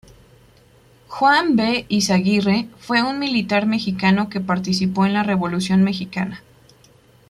Juan B. Izaguirre fue un militar mexicano que participó en la Revolución mexicana.